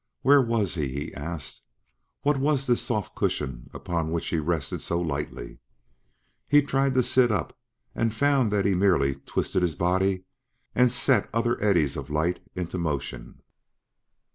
Where was he? he asked. What was this soft cushion upon which he rested so lightly? He tried to sit up and found that he merely twisted his body and set other eddies of light into motion.